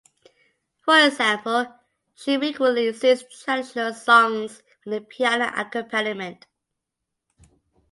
For example, she frequently sings traditional songs with a piano accompaniment.